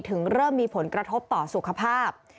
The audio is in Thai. เริ่มมีผลกระทบต่อสุขภาพ